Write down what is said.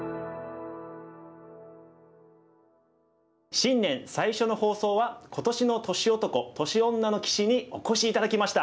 新年最初の放送は今年の年男年女の棋士にお越し頂きました。